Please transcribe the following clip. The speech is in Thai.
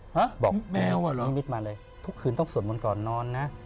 ฮะแมวเหรอบอกทิ้งมิดมาเลยทุกคืนต้องสวดมนต์ก่อนนอนนะ